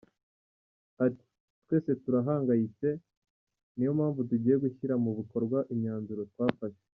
Ati “twese turahangayitse ni yo mpamvu tugiye gushyira mu bikorwa imyanzuro twafashe”.